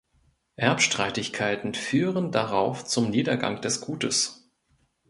Erbstreitigkeiten führen darauf zum Niedergang des Gutes.